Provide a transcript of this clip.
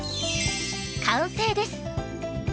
完成です。